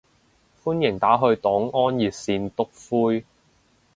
歡迎打去黨安熱線篤灰